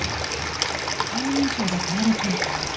顔認証の登録